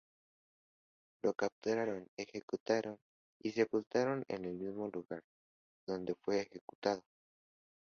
Lo capturaron, ejecutaron y sepultaron en el mismo lugar donde fue ejecutado.